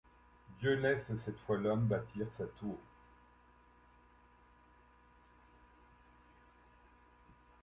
Dieu laisse cette fois l'homme bâtir sa tour.